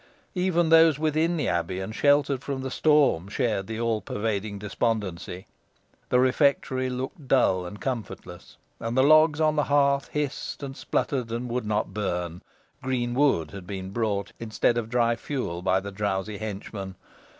Even those within the abbey, and sheltered from the storm, shared the all pervading despondency. The refectory looked dull and comfortless, and the logs on the hearth hissed and sputtered, and would not burn. Green wood had been brought instead of dry fuel by the drowsy henchman.